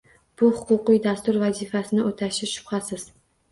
Bu huquqiy dastur vazifasini oʻtashi shubhasiz